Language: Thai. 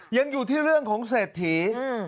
ยังอยู่ที่เรื่องของเศรษฐี